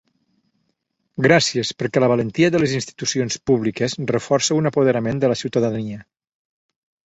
Gràcies, perquè la valentia de les institucions públiques reforça un apoderament de la ciutadania.